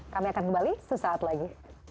kami akan kembali sesaat lagi